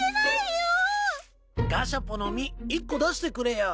ガシャポの実１個出してくれよ。